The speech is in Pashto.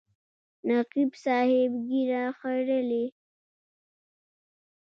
نقیب صاحب ږیره خریله.